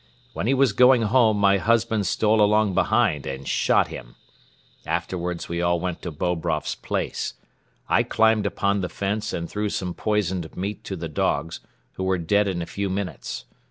When he was going home my husband stole along behind and shot him. Afterwards we all went to Bobroff's place. I climbed upon the fence and threw some poisoned meat to the dogs, who were dead in a few minutes.